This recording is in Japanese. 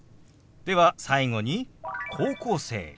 では最後に「高校生」。